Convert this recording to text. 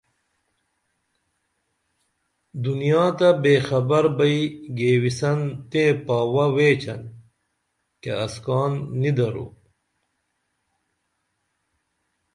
دنیا تہ بے خبر بئی گیویسن تئیں پاوہ ویچن کیہ اسکان نی درو